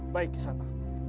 baik ke sana